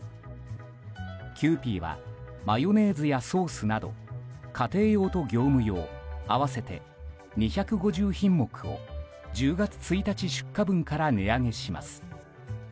キユーピーはマヨネーズやソースなど家庭用と業務用合わせて２５０品目を１０月１日出荷分から値上げします。